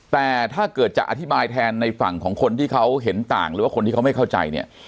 แต่ถ้าเกิดจะอธิบายแทนในฝั่งของคนที่เขาเห็นต่างหรือว่าคนที่เขาไม่เข้าใจเนี่ย